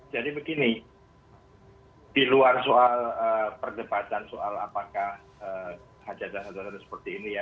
jadi begini di luar soal perdebatan soal apakah hajat dan hadulat seperti ini ya